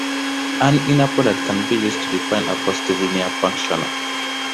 An inner product can be used to define a positive linear functional.